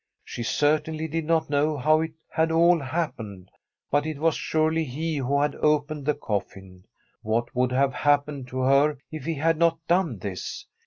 She certainly did not know how it had all hap pened, but it was surely he who had opened the coflin. What would have happened to her if he had not done this?